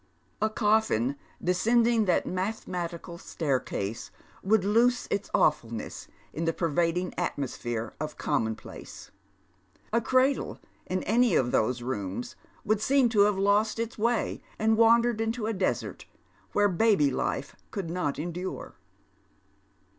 A coffin descending that mathematical staircase would loose its awfulness in the pervading atmosphere of commonplace. A cradle in any of those rooms would seein to have lost its way ninl wandered into a desert, where baby life could not endure.